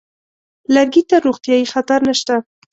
لرګي ته روغتیايي خطر نشته.